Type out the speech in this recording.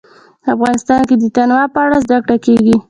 افغانستان کې د تنوع په اړه زده کړه کېږي.